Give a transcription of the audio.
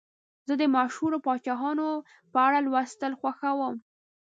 زه د مشهورو پاچاهانو په اړه لوستل خوښوم.